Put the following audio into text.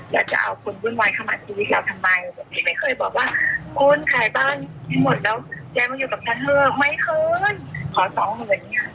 อยากจะเอาคุณวุ่นวายเข้ามาที่วิทยาลัยทำไมแต่พี่ไม่เคยบอกว่าคุณขายบ้านทั้งหมดแล้วแกมาอยู่กับฉันเถอะไม่เคยขอสองคนแบบเนี้ย